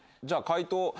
じゃあ解答